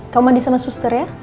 kamu mandi sama suster ya